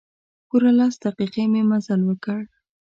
پوره لس دقیقې مې مزل وکړ.